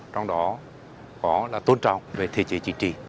trong đó có tôn trọng về thể trí chỉ trí